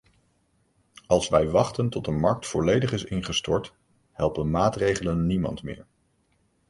Als wij wachten tot de markt volledig is ingestort, helpen maatregelen niemand meer.